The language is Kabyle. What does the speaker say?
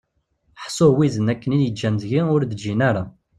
Ḥṣu widen akken i yi-ǧǧan deg-i ur d-ǧǧin ara!